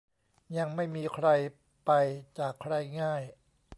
ยังไม่มีใครไปจากใครง่าย